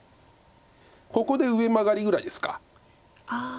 ここで上マガリぐらいですか。